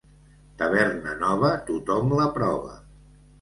Taverna nova, tothom la prova.